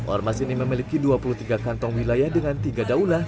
ormas ini memiliki dua puluh tiga kantong wilayah dengan tiga daulah